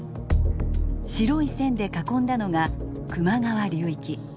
白い線で囲んだのが球磨川流域。